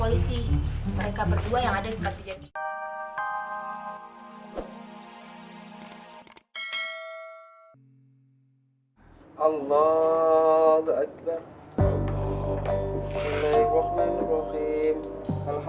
iya pak polisi